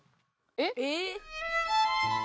「えっ？」